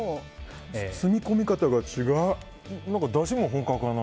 包み込み方が違う。